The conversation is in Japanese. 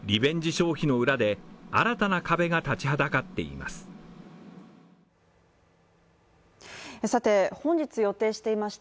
消費の裏で、新たな壁が立ちはだかっています。